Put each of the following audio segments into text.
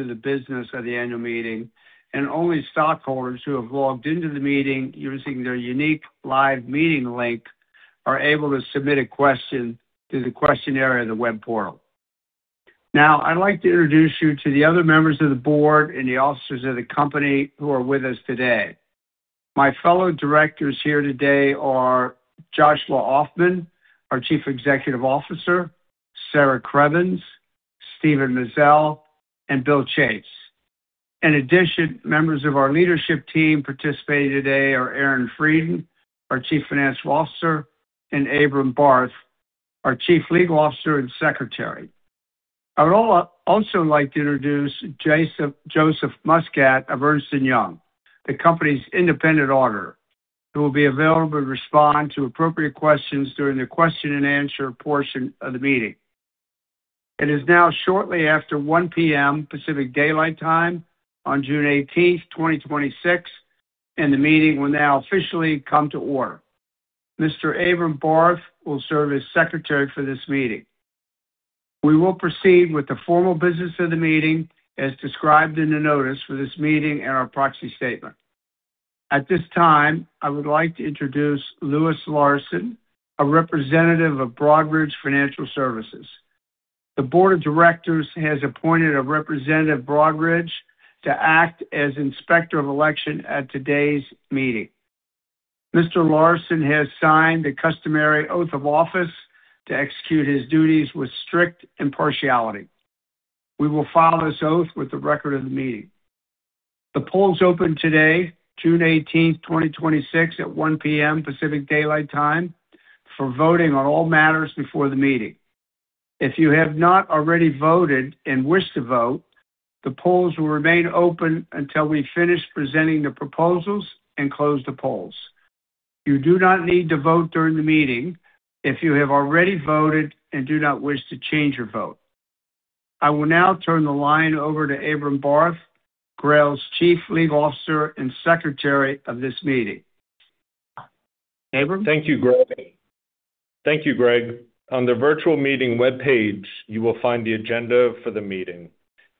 To the business of the annual meeting, only stockholders who have logged into the meeting using their unique live meeting link are able to submit a question through the question area of the web portal. Now, I'd like to introduce you to the other members of the board and the officers of the company who are with us today. My fellow directors here today are Joshua Ofman, our Chief Executive Officer, Sarah Krevans, Steve Mizell, and Bill Chase. In addition, members of our leadership team participating today are Aaron Freidin, our Chief Financial Officer, and Abram Barth, our Chief Legal Officer and Secretary. I would also like to introduce Joseph Muscat of Ernst & Young, the company's independent auditor, who will be available to respond to appropriate questions during the question and answer portion of the meeting. It is now shortly after 1:00 P.M. Pacific Daylight Time on June 18th, 2026, the meeting will now officially come to order. Mr. Abram Barth will serve as secretary for this meeting. We will proceed with the formal business of the meeting as described in the notice for this meeting and our proxy statement. At this time, I would like to introduce Louis Larson, a representative of Broadridge Financial Solutions. The board of directors has appointed a representative, Broadridge, to act as inspector of election at today's meeting. Mr. Larson has signed the customary oath of office to execute his duties with strict impartiality. We will file this oath with the record of the meeting. The polls opened today, June 18th, 2026, at 1:00 P.M. Pacific Daylight Time, for voting on all matters before the meeting. If you have not already voted and wish to vote, the polls will remain open until we finish presenting the proposals and close the polls. You do not need to vote during the meeting if you have already voted and do not wish to change your vote. I will now turn the line over to Abram Barth, GRAIL's Chief Legal Officer and secretary of this meeting. Abram? Thank you, Greg. On the virtual meeting webpage, you will find the agenda for the meeting.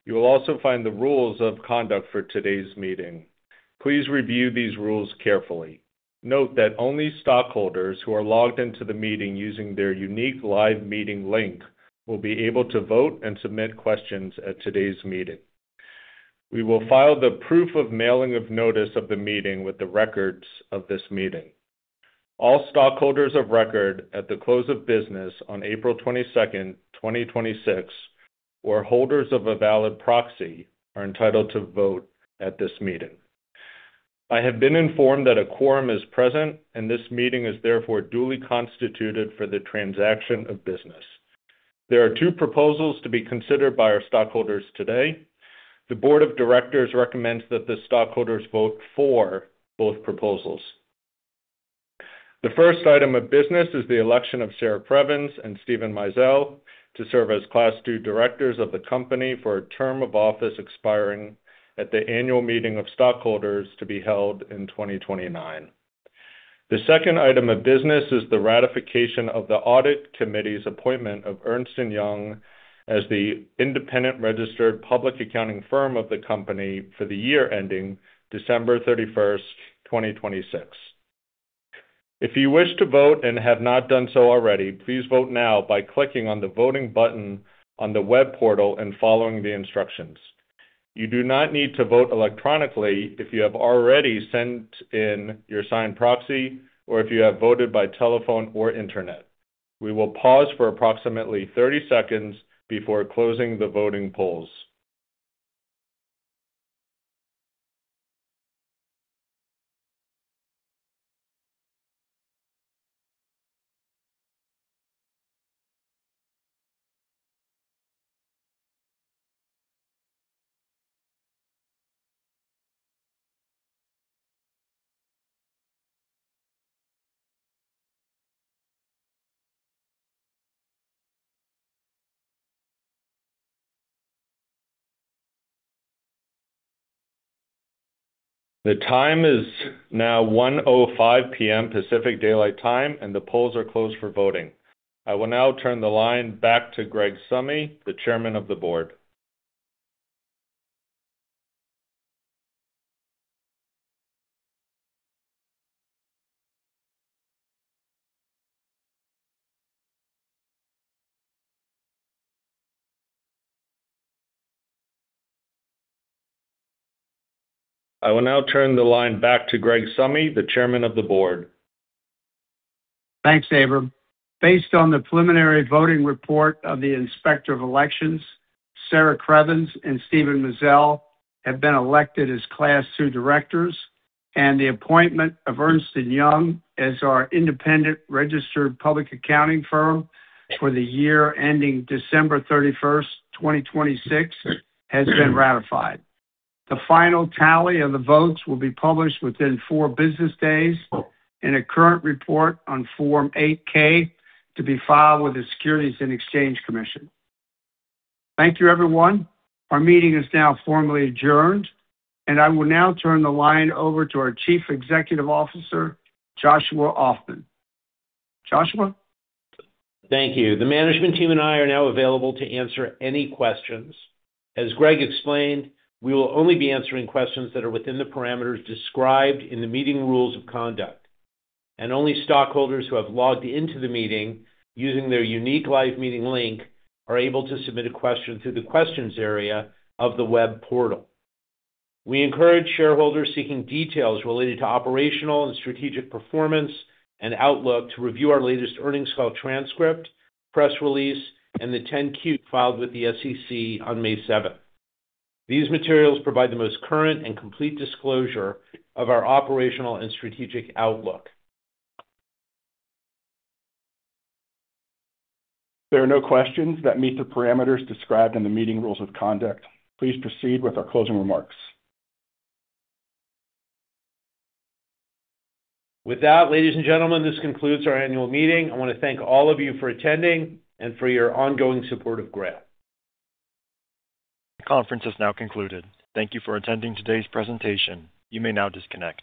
You will also find the rules of conduct for today's meeting. Please review these rules carefully. Note that only stockholders who are logged into the meeting using their unique live meeting link will be able to vote and submit questions at today's meeting. We will file the proof of mailing of notice of the meeting with the records of this meeting. All stockholders of record at the close of business on April 22nd, 2026, or holders of a valid proxy, are entitled to vote at this meeting. I have been informed that a quorum is present, this meeting is therefore duly constituted for the transaction of business. There are two proposals to be considered by our stockholders today. The board of directors recommends that the stockholders vote for both proposals. The first item of business is the election of Sarah Krevans and Steve Mizell to serve as Class II directors of the company for a term of office expiring at the annual meeting of stockholders to be held in 2029. The second item of business is the ratification of the audit committee's appointment of Ernst & Young as the independent registered public accounting firm of the company for the year ending December 31st, 2026. If you wish to vote and have not done so already, please vote now by clicking on the Voting button on the web portal and following the instructions. You do not need to vote electronically if you have already sent in your signed proxy or if you have voted by telephone or internet. We will pause for approximately 30 seconds before closing the voting polls. The time is now 1:05 P.M. Pacific Daylight Time. The polls are closed for voting. I will now turn the line back to Greg Summe, the Chairman of the board. Thanks, Abram. Based on the preliminary voting report of the Inspector of Elections, Sarah Krevans and Steve Mizell have been elected as Class II directors. The appointment of Ernst & Young as our independent registered public accounting firm for the year ending December 31st, 2026, has been ratified. The final tally of the votes will be published within four business days in a current report on Form 8-K to be filed with the Securities and Exchange Commission. Thank you, everyone. Our meeting is now formally adjourned. I will now turn the line over to our Chief Executive Officer, Joshua Ofman. Joshua? Thank you. The management team and I are now available to answer any questions. As Greg explained, we will only be answering questions that are within the parameters described in the meeting rules of conduct. Only stockholders who have logged into the meeting using their unique live meeting link are able to submit a question through the questions area of the web portal. We encourage shareholders seeking details related to operational and strategic performance and outlook to review our latest earnings call transcript, press release, and the 10-Q filed with the SEC on May 7th. These materials provide the most current and complete disclosure of our operational and strategic outlook. There are no questions that meet the parameters described in the meeting rules of conduct. Please proceed with our closing remarks. With that, ladies and gentlemen, this concludes our annual meeting. I want to thank all of you for attending and for your ongoing support of GRAIL. Conference is now concluded. Thank you for attending today's presentation. You may now disconnect.